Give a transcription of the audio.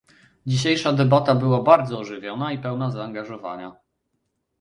Dzisiejsza debata była bardzo ożywiona i pełna zaangażowania